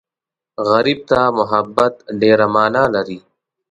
غریب ته محبت ډېره مانا لري